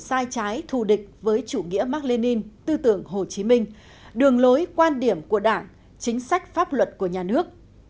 sai trái thù địch với chủ nghĩa mark lenin tư tưởng hồ chí minh đường lối quan điểm của đảng chính sách pháp luật của nhà nước